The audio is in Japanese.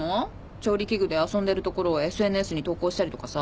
調理器具で遊んでるところをＳＮＳに投稿したりとかさ。